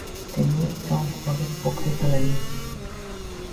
তিনি ট্রান্সভালের পক্ষে খেলেন।